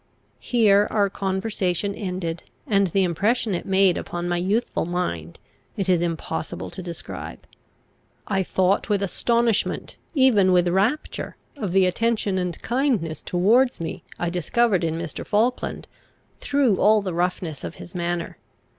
Here our conversation ended; and the impression it made upon my youthful mind it is impossible to describe. I thought with astonishment, even with rapture, of the attention and kindness towards me I discovered in Mr. Falkland, through all the roughness of his manner.